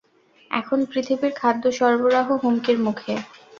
এখন পৃথিবীর খাদ্য সরবারাহ হুমকির মুখে।